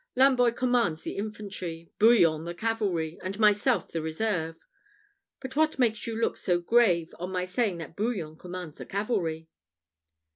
Lamboy commands the infantry, Bouillon the cavalry, and myself the reserve. But what makes you look so grave on my saying that Bouillon commands the cavalry?"